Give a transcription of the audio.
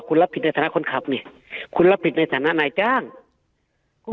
คุณรับผิดในฐานะคนขับนี่คุณรับผิดในฐานะนายจ้างคุณ